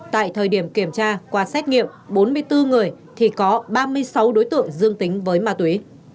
tại thời điểm kiểm tra qua xét nghiệm bốn mươi bốn người thì có ba mươi sáu đối tượng dương tính với ma túy